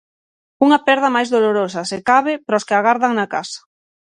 Unha perda máis dolorosa, se cabe, para os que agardan na casa.